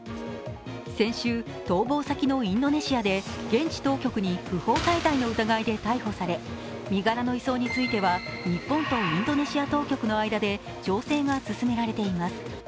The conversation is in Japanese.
先週、逃亡先のインドネシアで現地当局に不法滞在の疑いで逮捕され、身柄の移送については日本とインドネシア当局の間で調整が進められています。